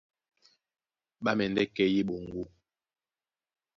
Ɓá mɛndɛ́ kɛ́ yé eɓoŋgó,